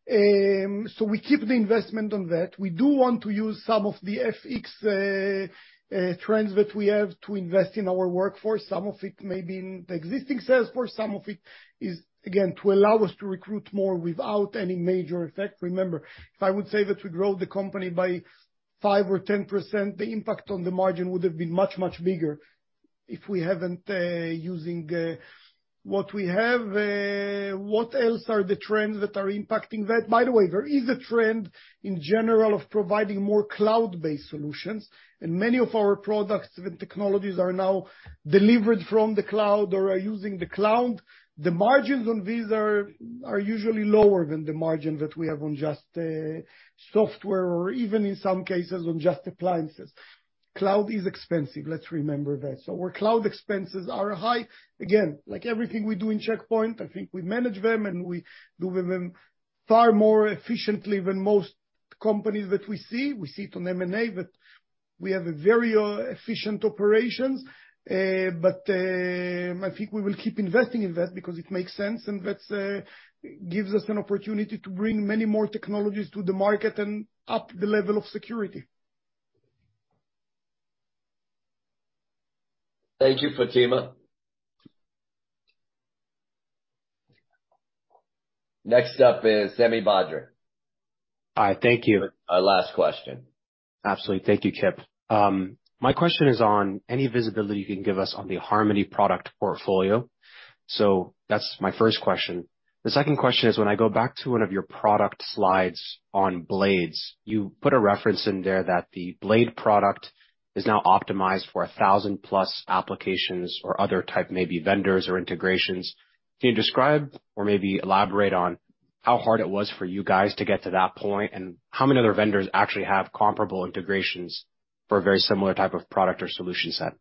We keep the investment on that. We do want to use some of the FX trends that we have to invest in our workforce. Some of it may be in the existing sales force, some of it is, again, to allow us to recruit more without any major effect. Remember, if I would say that we grow the company by 5% or 10%, the impact on the margin would have been much, much bigger if we haven't using what we have. What else are the trends that are impacting that? There is a trend in general of providing more cloud-based solutions, and many of our products with technologies are now delivered from the cloud or are using the cloud. The margins on these are usually lower than the margin that we have on just software or even in some cases on just appliances. Cloud is expensive, let's remember that. Our cloud expenses are high. Like everything we do in Check Point, I think we manage them, and we do them far more efficiently than most companies that we see. We see it on M&A, that we have a very efficient operations. I think we will keep investing in that because it makes sense, and that's gives us an opportunity to bring many more technologies to the market and up the level of security. Thank you, Fatima. Next up is Sami Badri. Hi. Thank you. Our last question. Absolutely. Thank you, Kip. My question is on any visibility you can give us on the Harmony product portfolio. That's my first question. The second question is, when I go back to one of your product slides on Blades, you put a reference in there that the Blade product is now optimized for 1,000+ applications or other type, maybe vendors or integrations. Can you describe or maybe elaborate on how hard it was for you guys to get to that point, and how many other vendors actually have comparable integrations for a very similar type of product or solution set?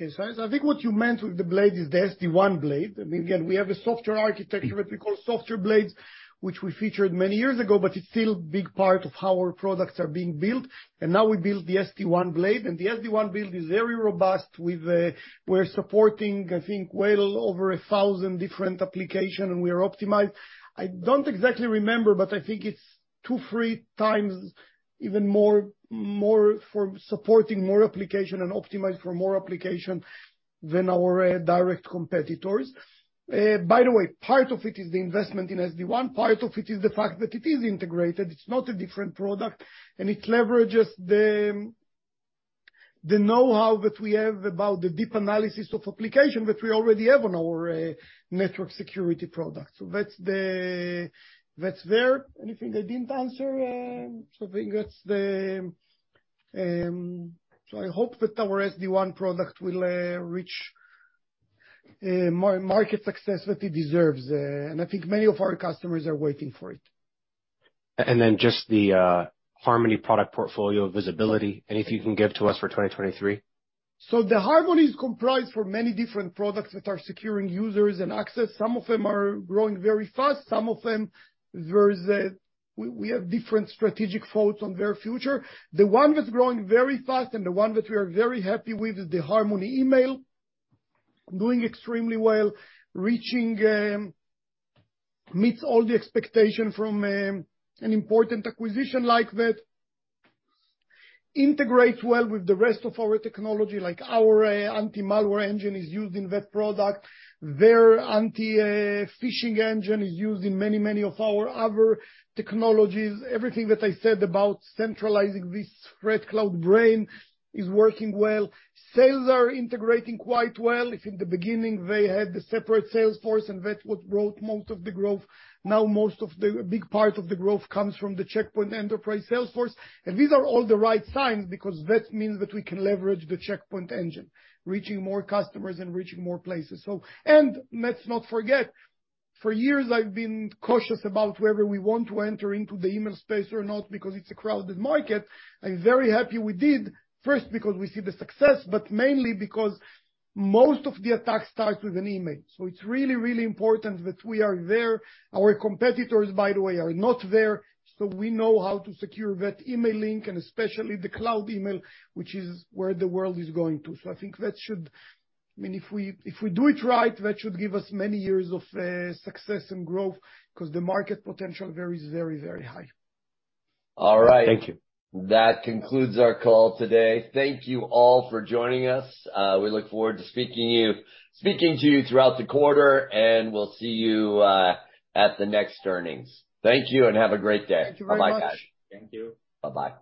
I think what you meant with the Blade is the SD-WAN Blade. Again, we have a software architecture that we call Software Blades, which we featured many years ago, but it's still a big part of how our products are being built. Now we build the SD-WAN Blade. The SD-WAN build is very robust. We've, we're supporting, I think, well over 1,000 different application, and we are optimized. I don't exactly remember, but I think it's 2, 3 times even more for supporting more application and optimized for more application than our direct competitors. By the way, part of it is the investment in SD-WAN. Part of it is the fact that it is integrated, it's not a different product, and it leverages the know-how that we have about the deep analysis of application that we already have on our network security product. That's there. Anything I didn't answer, so I think that's the. I hope that our SD-WAN product will reach market success that it deserves, and I think many of our customers are waiting for it. Just the Harmony product portfolio visibility. Anything you can give to us for 2023? The Harmony is comprised for many different products that are securing users and access. Some of them are growing very fast, some of them there's, we have different strategic thoughts on their future. The one that's growing very fast and the one that we are very happy with is the Harmony Email. Doing extremely well, reaching, meets all the expectation from an important acquisition like that. Integrates well with the rest of our technology. Like our anti-malware engine is used in that product. Their anti-phishing engine is used in many of our other technologies. Everything that I said about centralizing this ThreatCloud brain is working well. Sales are integrating quite well. If in the beginning they had the separate sales force and that's what brought most of the growth, now most of the big part of the growth comes from the Check Point Enterprise sales force. These are all the right signs because that means that we can leverage the Check Point engine, reaching more customers and reaching more places. Let's not forget, for years I've been cautious about whether we want to enter into the email space or not because it's a crowded market. I'm very happy we did. First, because we see the success, but mainly because most of the attack starts with an email, so it's really important that we are there. Our competitors, by the way, are not there, so we know how to secure that email link and especially the cloud email, which is where the world is going to. I think that should... I mean, if we do it right, that should give us many years of success and growth because the market potential there is very, very high. All right. Thank you. That concludes our call today. Thank you all for joining us. We look forward to speaking to you throughout the quarter, and we'll see you at the next earnings. Thank you and have a great day. Thank you very much. Bye-bye, guys. Thank you. Bye-bye.